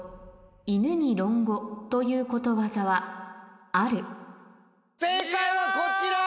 「犬に論語」ということわざはある正解はこちら！